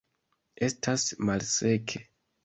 Estas malseke.